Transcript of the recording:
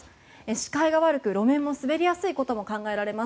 視界が悪く路面も滑りやすいことも考えられます。